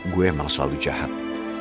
gue emang selalu jahat